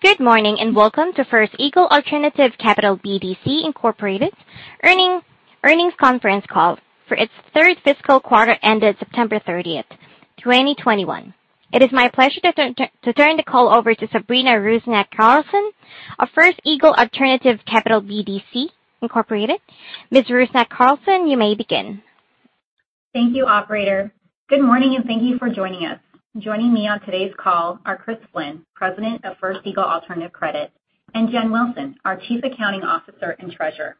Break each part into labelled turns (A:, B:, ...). A: Good morning, and welcome to First Eagle Alternative Capital BDC Incorporated earnings conference call for its third fiscal quarter ended September 30th, 2021. It is my pleasure to turn the call over to Sabrina Rusnak-Carlson of First Eagle Alternative Capital BDC Incorporated. Ms. Rusnak-Carlson, you may begin.
B: Thank you, operator. Good morning, and thank you for joining us. Joining me on today's call are Chris Flynn, President of First Eagle Alternative Credit, and Jen Wilson, our Chief Accounting Officer and Treasurer.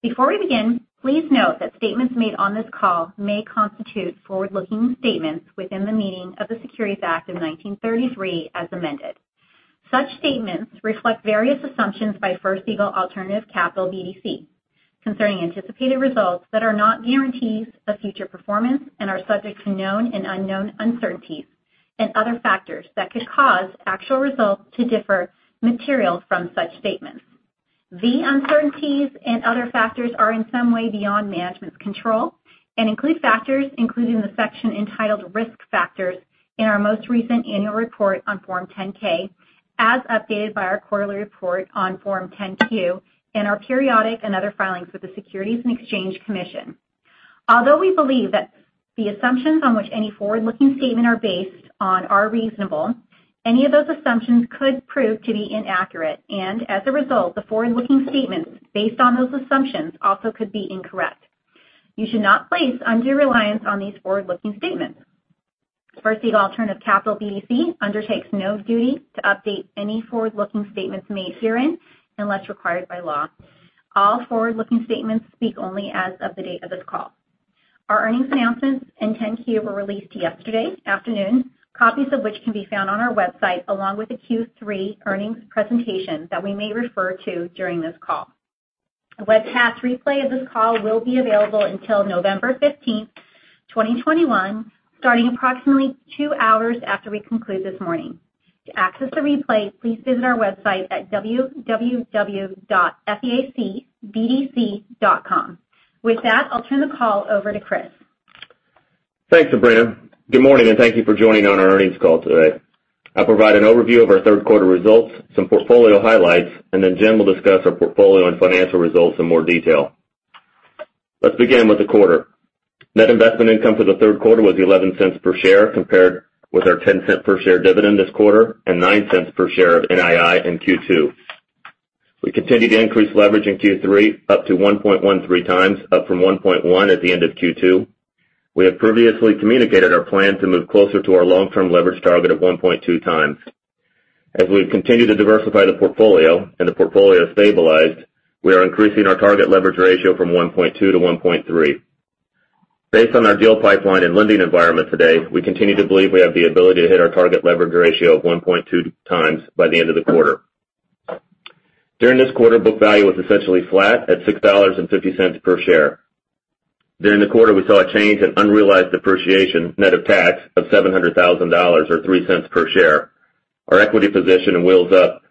B: Before we begin, please note that statements made on this call may constitute forward-looking statements within the meaning of the Securities Act of 1933 as amended. Such statements reflect various assumptions by First Eagle Alternative Capital BDC concerning anticipated results that are not guarantees of future performance and are subject to known and unknown uncertainties and other factors that could cause actual results to differ materially from such statements. The uncertainties and other factors are in some way beyond management's control and include factors including the section entitled Risk Factors in our most recent annual report on Form 10-K, as updated by our quarterly report on Form 10-Q and our periodic and other filings with the Securities and Exchange Commission. Although we believe that the assumptions on which any forward-looking statement are based on are reasonable, any of those assumptions could prove to be inaccurate, and as a result, the forward-looking statements based on those assumptions also could be incorrect. You should not place undue reliance on these forward-looking statements. First Eagle Alternative Capital BDC undertakes no duty to update any forward-looking statements made herein unless required by law. All forward-looking statements speak only as of the date of this call. Our earnings announcements and 10-Q were released yesterday afternoon, copies of which can be found on our website, along with the Q3 earnings presentation that we may refer to during this call. A webcast replay of this call will be available until November 15, 2021, starting approximately two hours after we conclude this morning. To access the replay, please visit our website at www.feacbdc.com. With that, I'll turn the call over to Chris.
C: Thanks, Sabrina. Good morning, and thank you for joining on our earnings call today. I'll provide an overview of our third quarter results, some portfolio highlights, and then Jen will discuss our portfolio and financial results in more detail. Let's begin with the quarter. Net investment income for the third quarter was $0.11 per share, compared with our $0.10 per share dividend this quarter and $0.09 per share of NII in Q2. We continued to increase leverage in Q3 up to 1.13x, up from 1.1x at the end of Q2. We have previously communicated our plan to move closer to our long-term leverage target of 1.2x. As we continue to diversify the portfolio and the portfolio is stabilized, we are increasing our target leverage ratio from 1.2x to 1.3x. Based on our deal pipeline and lending environment today, we continue to believe we have the ability to hit our target leverage ratio of 1.2x by the end of the quarter. During this quarter, book value was essentially flat at $6.50 per share. During the quarter, we saw a change in unrealized depreciation net of tax of $700,000, or $0.03 per share. Our equity position in Wheels Up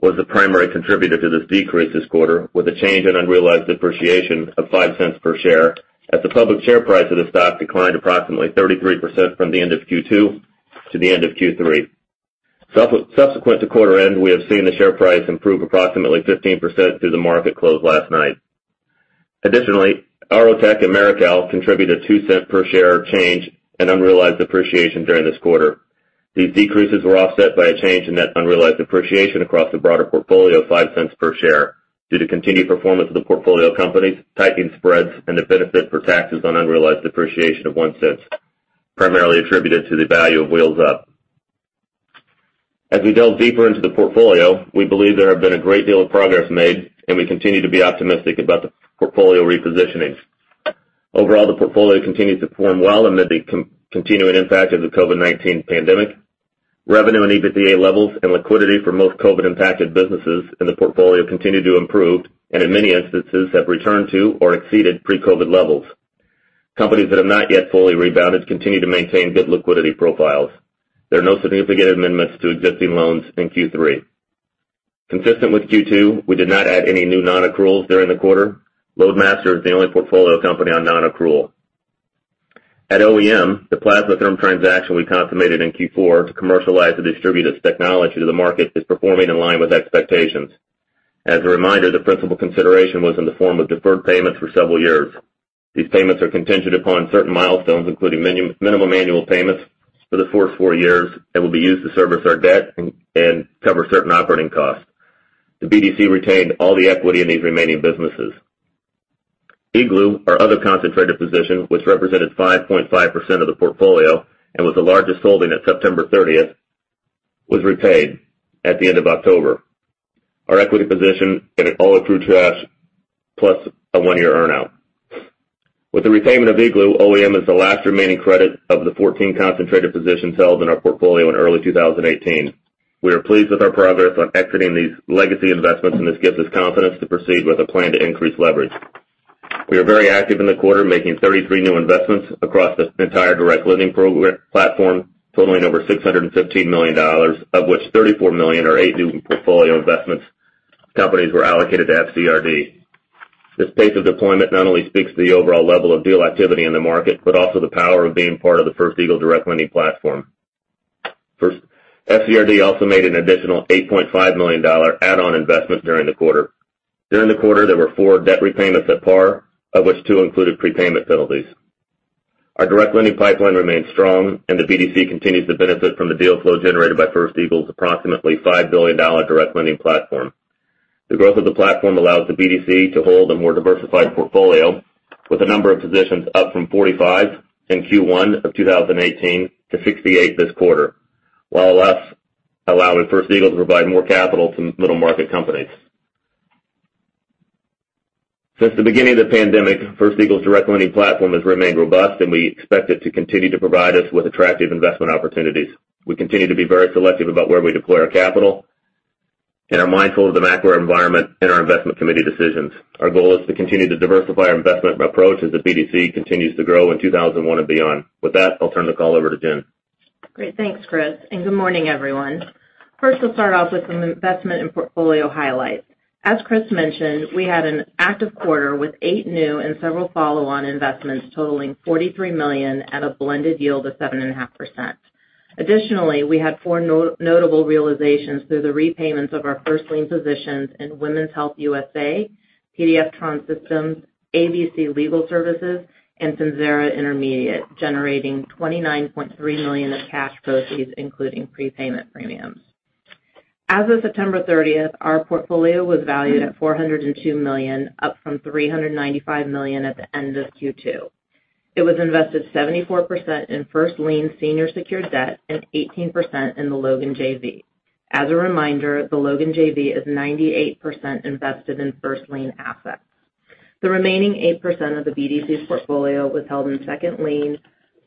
C: was the primary contributor to this decrease this quarter, with a change in unrealized depreciation of $0.05 per share, as the public share price of the stock declined approximately 33% from the end of Q2 to the end of Q3. Subsequent to quarter end, we have seen the share price improve approximately 15% through the market close last night. Additionally, Aerotech and Marical contributed $0.02 per share change in unrealized depreciation during this quarter. These decreases were offset by a change in net unrealized appreciation across the broader portfolio of $0.05 per share due to continued performance of the portfolio companies, tightening spreads and the benefit for taxes on unrealized depreciation of $0.01, primarily attributed to the value of Wheels Up. As we delve deeper into the portfolio, we believe there have been a great deal of progress made, and we continue to be optimistic about the portfolio repositioning. Overall, the portfolio continues to perform well amid the continuing impact of the COVID-19 pandemic. Revenue and EBITDA levels and liquidity for most COVID-impacted businesses in the portfolio continue to improve and in many instances have returned to or exceeded pre-COVID levels. Companies that have not yet fully rebounded continue to maintain good liquidity profiles. There are no significant amendments to existing loans in Q3. Consistent with Q2, we did not add any new non-accruals during the quarter. Loadmaster is the only portfolio company on non-accrual. At OEM, the Plasma-Therm transaction we consummated in Q4 to commercialize the distributive technology to the market is performing in line with expectations. As a reminder, the principal consideration was in the form of deferred payments for several years. These payments are contingent upon certain milestones, including minimum annual payments for the first four years and will be used to service our debt and cover certain operating costs. The BDC retained all the equity in these remaining businesses. Igloo, our other concentrated position, which represented 5.5% of the portfolio and was the largest holding at September 30th, was repaid at the end of October. Our equity position and all accrued cash, plus a one-year earn-out. With the repayment of Igloo, OEM is the last remaining credit of the 14 concentrated positions held in our portfolio in early 2018. We are pleased with our progress on exiting these legacy investments, and this gives us confidence to proceed with a plan to increase leverage. We are very active in the quarter, making 33 new investments across the entire direct lending platform, totaling over $615 million, of which $34 million are eight new portfolio investments. Companies were allocated to FCRD. This pace of deployment not only speaks to the overall level of deal activity in the market, but also the power of being part of the First Eagle direct lending platform. FCRD also made an additional $8.5 million add-on investment during the quarter. During the quarter, there were four debt repayments at par, of which two included prepayment penalties. Our direct lending pipeline remains strong, and the BDC continues to benefit from the deal flow generated by First Eagle's approximately $5 billion direct lending platform. The growth of the platform allows the BDC to hold a more diversified portfolio with a number of positions up from 45 in Q1 of 2018 to 68 this quarter, while also allowing First Eagle to provide more capital to middle market companies. Since the beginning of the pandemic, First Eagle's direct lending platform has remained robust, and we expect it to continue to provide us with attractive investment opportunities. We continue to be very selective about where we deploy our capital and are mindful of the macro environment and our investment committee decisions. Our goal is to continue to diversify our investment approach as the BDC continues to grow in 2021 and beyond. With that, I'll turn the call over to Jen.
D: Great. Thanks, Chris, and good morning, everyone. First, we'll start off with some investment and portfolio highlights. As Chris mentioned, we had an active quarter with eight new and several follow-on investments totaling $43 million at a blended yield of 7.5%. Additionally, we had four notable realizations through the repayments of our first lien positions in Women's Health USA, PDFTron Systems, ABC Legal Services, and Finxera Intermediate, generating $29.3 million of cash proceeds, including prepayment premiums. As of September 30th, our portfolio was valued at $402 million, up from $395 million at the end of Q2. It was invested 74% in first lien senior secured debt and 18% in the Logan JV. As a reminder, the Logan JV is 98% invested in first lien assets. The remaining 8% of the BDC's portfolio was held in second lien,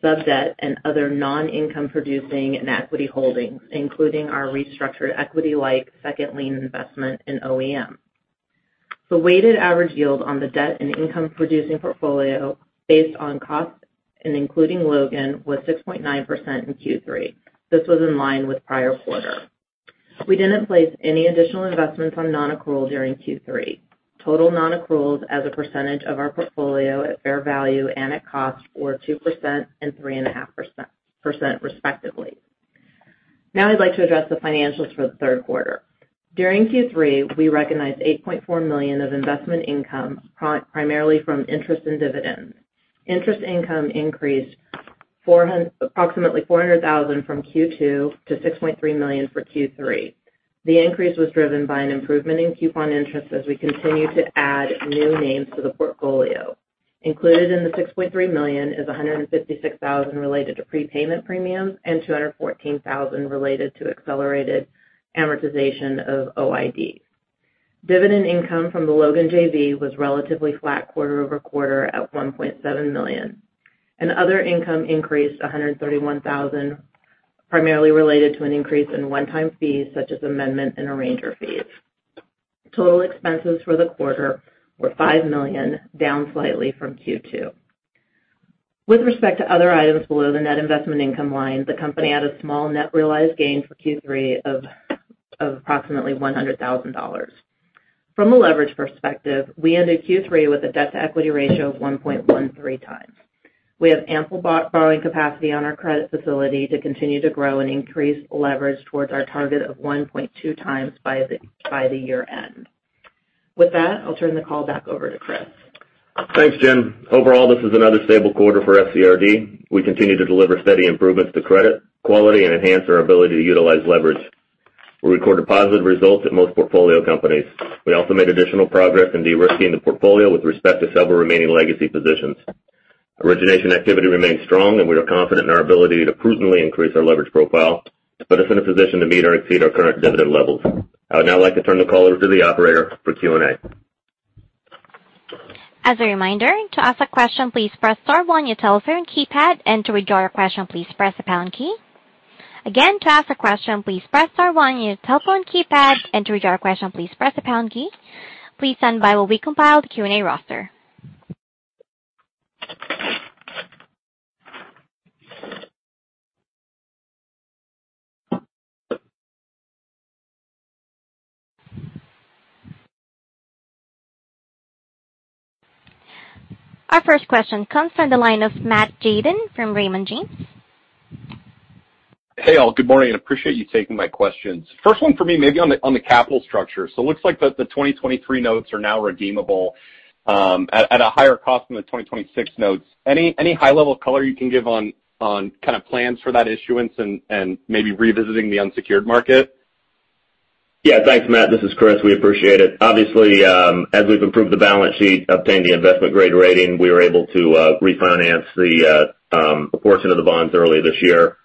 D: sub-debt, and other non-income producing and equity holdings, including our restructured equity-like second lien investment in OEM. The weighted average yield on the debt and income producing portfolio based on cost and including Logan was 6.9% in Q3. This was in line with prior quarter. We didn't place any additional investments on non-accrual during Q3. Total non-accruals as a percentage of our portfolio at fair value and at cost were 2% and 3.5%, respectively. Now I'd like to address the financials for the third quarter. During Q3, we recognized $8.4 million of investment income, primarily from interest and dividends. Interest income increased approximately $400,000 from Q2 to $6.3 million for Q3. The increase was driven by an improvement in coupon interest as we continue to add new names to the portfolio. Included in the $6.3 million is $156,000 related to prepayment premiums and $214,000 related to accelerated amortization of OID. Dividend income from the Logan JV was relatively flat quarter-over-quarter at $1.7 million. Other income increased $131,000, primarily related to an increase in one-time fees such as amendment and arranger fees. Total expenses for the quarter were $5 million, down slightly from Q2. With respect to other items below the net investment income line, the company had a small net realized gain for Q3 of approximately $100,000. From a leverage perspective, we ended Q3 with a debt-to-equity ratio of 1.13x. We have ample borrowing capacity on our credit facility to continue to grow and increase leverage towards our target of 1.2x by the year-end. With that, I'll turn the call back over to Chris.
C: Thanks, Jen. Overall, this is another stable quarter for FCRD. We continue to deliver steady improvements to credit quality and enhance our ability to utilize leverage. We recorded positive results at most portfolio companies. We also made additional progress in de-risking the portfolio with respect to several remaining legacy positions. Origination activity remains strong, and we are confident in our ability to prudently increase our leverage profile to put us in a position to meet or exceed our current dividend levels. I would now like to turn the call over to the operator for Q&A.
A: As a reminder, to ask a question, please press star one on your telephone keypad, and to withdraw your question, please press the pound key. Again, to ask a question, please press star one in your telephone keypad. And to read our question, please press the pound key. Please stand by while we compile the Q&A roster. Our first question comes from the line of Matt Tjaden from Raymond James.
E: Hey, all. Good morning. I appreciate you taking my questions. First one for me, maybe on the capital structure. Looks like the 2023 notes are now redeemable at a higher cost than the 2026 notes. Any high level color you can give on kind of plans for that issuance and maybe revisiting the unsecured market?
C: Yeah. Thanks, Matt. This is Chris. We appreciate it. Obviously, as we've improved the balance sheet, obtained the investment grade rating, we were able to refinance a portion of the bonds early this year.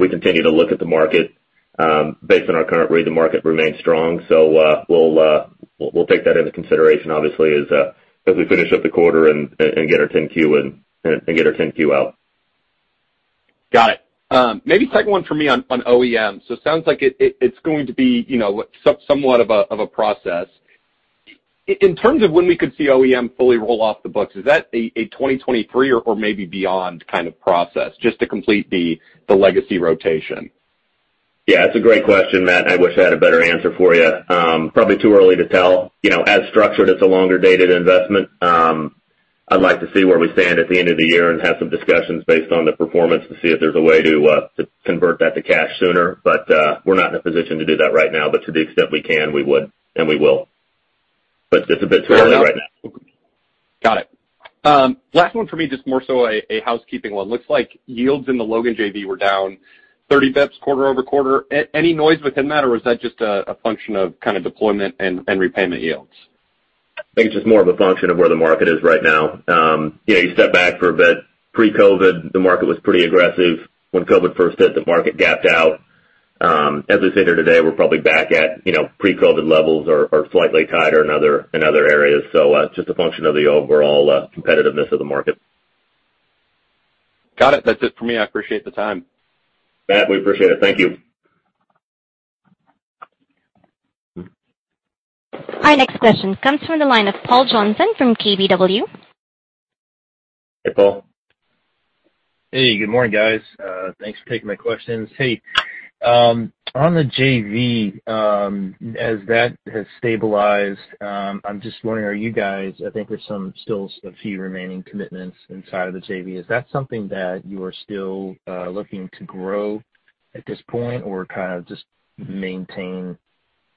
C: We continue to look at the market. Based on our current read, the market remains strong. We'll take that into consideration obviously as we finish up the quarter and get our 10-Q out.
E: Got it. Maybe second one for me on OEM. Sounds like it's going to be, you know, somewhat of a process. In terms of when we could see OEM fully roll off the books, is that a 2023 or maybe beyond kind of process just to complete the legacy rotation?
C: Yeah, that's a great question, Matt. I wish I had a better answer for you. Probably too early to tell. You know, as structured, it's a longer-dated investment. I'd like to see where we stand at the end of the year and have some discussions based on the performance to see if there's a way to convert that to cash sooner. We're not in a position to do that right now. To the extent we can, we would and we will. It's a bit too early right now.
E: Got it. Last one for me, just more so a housekeeping one. Looks like yields in the Logan JV were down 30 basis points quarter-over-quarter. Any noise within that, or was that just a function of kinda deployment and repayment yields?
C: I think it's just more of a function of where the market is right now. Yeah, you step back for a bit. Pre-COVID, the market was pretty aggressive. When COVID first hit, the market gapped out. As we sit here today, we're probably back at, you know, pre-COVID levels or slightly tighter in other areas. Just a function of the overall competitiveness of the market.
E: Got it. That's it for me. I appreciate the time.
C: Matt, we appreciate it. Thank you.
A: Our next question comes from the line of Paul Johnson from KBW.
C: Hey, Paul.
F: Hey, good morning, guys. Thanks for taking my questions. Hey, on the JV, as that has stabilized, I'm just wondering, I think there's still a few remaining commitments inside of the JV. Is that something that you are still looking to grow at this point or kind of just maintain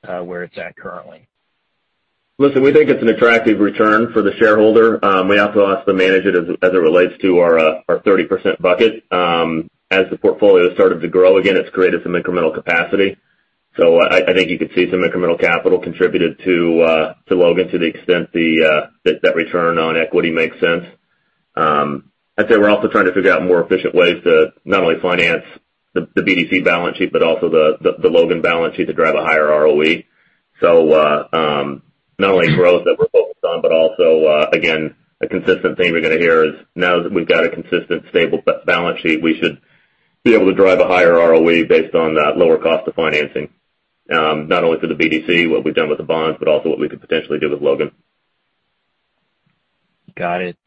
F: where it's at currently?
C: Listen, we think it's an attractive return for the shareholder. We also have to manage it as it relates to our 30% bucket. As the portfolio started to grow again, it's created some incremental capacity. I think you could see some incremental capital contributed to Logan to the extent that return on equity makes sense. I'd say we're also trying to figure out more efficient ways to not only finance the BDC balance sheet, but also the Logan balance sheet to drive a higher ROE. So not only growth that we're focused on, but also, again, a consistent theme you're gonna hear is now that we've got a consistent stable balance sheet, we should be able to drive a higher ROE based on that lower cost of financing, not only for the BDC, what we've done with the bonds, but also what we could potentially do with Logan.
F: Got it.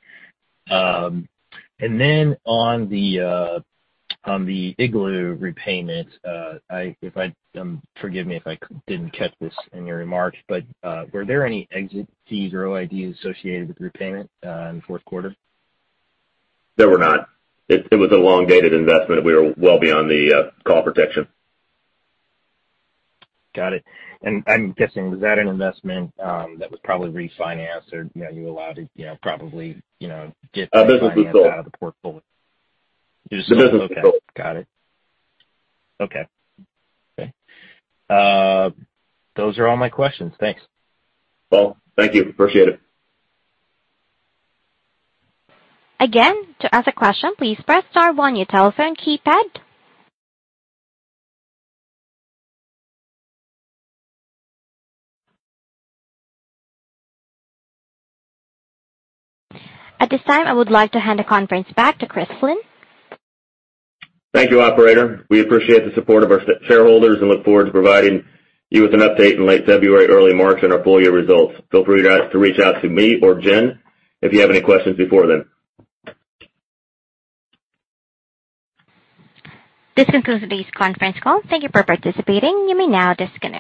F: On the Igloo repayment, forgive me if I didn't catch this in your remarks, but were there any exit fees or OIDs associated with the repayment in the fourth quarter?
C: There were not. It was a long-dated investment. We were well beyond the call protection.
F: Got it. I'm guessing, was that an investment that was probably refinanced or, you know, you allowed to, you know, probably, you know, get-
C: The business was sold.
F: Out of the portfolio.
C: The business was sold.
F: Got it. Okay. Those are all my questions. Thanks.
C: Paul, thank you. Appreciate it.
A: Again to ask a question, please press star one on your telephone keypad. At this time, I would like to hand the conference back to Chris Flynn.
C: Thank you, operator. We appreciate the support of our shareholders and look forward to providing you with an update in late February, early March on our full year results. Feel free to reach out to me or Jen if you have any questions before then.
A: This concludes today's conference call. Thank you for participating. You may now disconnect.